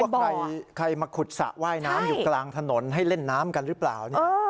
ใครมาขุดสระว่ายน้ำอยู่กลางถนนให้เล่นน้ำกันหรือเปล่า